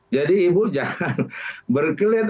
jadi ibu jangan berkelit